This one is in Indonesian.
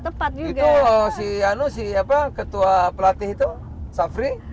itu si ketua pelatih itu safri